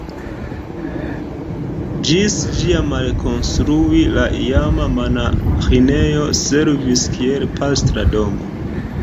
Ĝis ĝia malkonstrui la iama monaĥinejo servis kiel pastra domo.